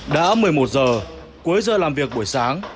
đã một mươi một giờ cuối giờ làm việc buổi sáng